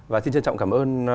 và xin trân trọng cảm ơn